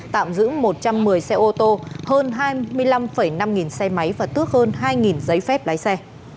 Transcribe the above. tạm giữ một trăm một mươi xe ô tô hơn hai mươi năm năm nghìn xe máy và tước hơn hai giấy phép lái xe